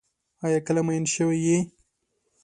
آیا کله مئین شوی یې؟